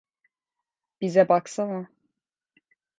Bize baksana.